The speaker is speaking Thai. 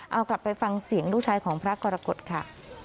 เอากลับไปฟังเสียงลูกชายของพระกรกฎค่ะ